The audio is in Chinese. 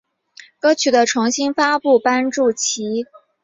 歌曲的重新发布帮助其在美国和澳大利亚的音乐排行榜上拿下冠军。